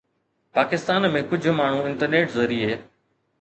پاڪستان ۾ ڪجهه ماڻهو انٽرنيٽ ذريعي